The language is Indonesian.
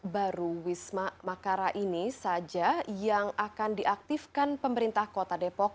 baru wisma makara ini saja yang akan diaktifkan pemerintah kota depok